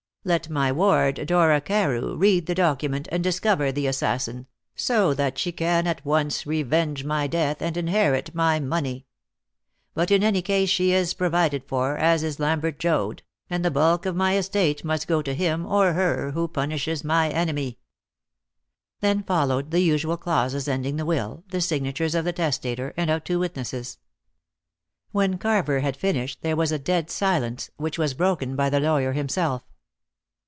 Let my ward, Dora Carew, read the document, and discover the assassin, so that she can at once revenge my death and inherit my money. But in any case she is provided for, as is Lambert Joad; and the bulk of my estate must go to him or her who punishes my enemy." Then followed the usual clauses ending the will, the signatures of the testator, and of two witnesses. When Carver had finished there was a dead silence, which was broken by the lawyer himself.